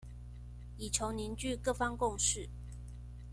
以求凝聚各方共識